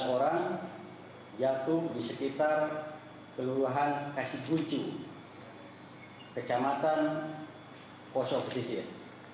tiga belas orang jatuh di sekitar keluruhan kasikucu kecamatan poso pesisir